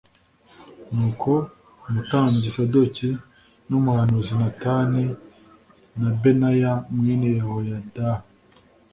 Nuko umutambyi Sadoki n’umuhanuzi Natani na Benaya mwene Yehoyada